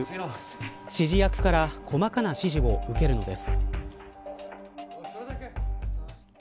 指示役から細かな指示を受けるのです。